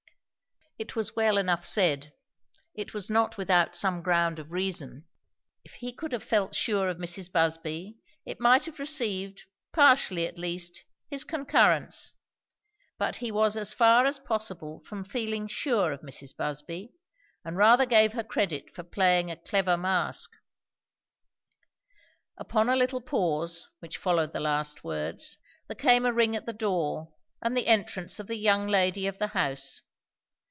It was well enough said; it was not without some ground of reason. If he could have felt sure of Mrs. Busby, it might have received, partially at least, his concurrence. But he was as far as possible from feeling sure of Mrs. Busby; and rather gave her credit for playing a clever mask. Upon a little pause which followed the last words, there came a ring at the door and the entrance of the young lady of the house.